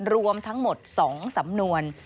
รวมทั้งหมด๒สำนวน